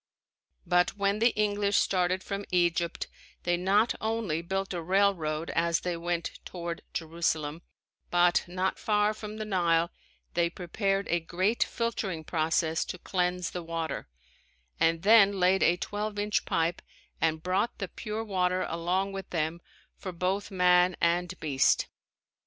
But when the English started from Egypt they not only built a railroad as they went toward Jerusalem, but not far from the Nile they prepared a great filtering process to cleanse the water, and then laid a twelve inch pipe and brought the pure water along with them for both man and beast.